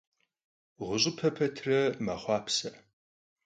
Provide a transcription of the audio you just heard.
Ğuş'ıpe petre mexhuapse.